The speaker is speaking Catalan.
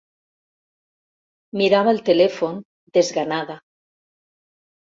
Mirava el telèfon, desganada.